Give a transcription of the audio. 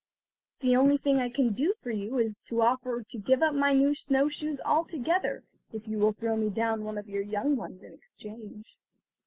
The only thing I can do for you is to offer to give up my snow shoes altogether if you will throw me down one of your young ones in exchange."